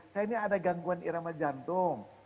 saya ini ada gangguan irama jantung